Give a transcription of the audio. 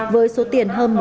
với số tiền hơn một trăm linh